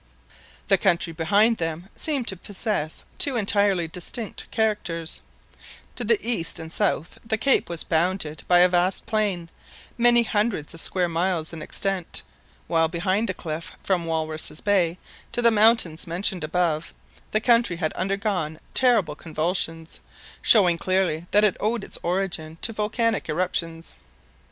The country behind them seemed to possess two entirely distinct characters; to the east and south the cape was bounded by a vast plain, many hundreds of square miles in extent, while behind the cliff, from "Walruses' Bay" to the mountains mentioned above, the country had undergone terrible convulsions, showing clearly that it owed its origin to volcanic eruptions.